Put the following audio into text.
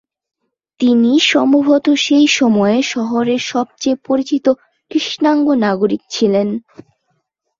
তিনি সম্ভবত সেই সময়ে শহরের সবচেয়ে পরিচিত কৃষ্ণাঙ্গ নাগরিক ছিলেন।